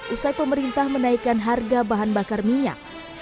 usai pemerintah menaikkan harga bahan bakar minyak